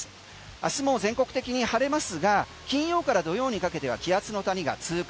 明日も全国的に晴れますが金曜から土曜にかけては気圧の谷が通過。